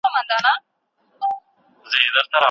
نن به مي په سره خولۍ کي ټوله جهان وویني